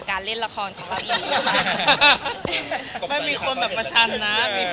ไม่มีคนแบบประชันนะ